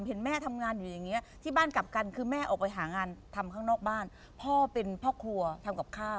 เห็นแม่ทำงานอยู่อย่างเงี้ยที่บ้านกลับกันคือแม่ออกไปหางานทำข้างนอกบ้านพ่อเป็นพ่อครัวทำกับข้าว